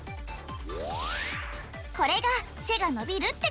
これがせがのびるってこと。